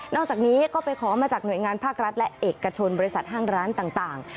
อกจากนี้ก็ไปขอมาจากหน่วยงานภาครัฐและเอกชนบริษัทห้างร้านต่าง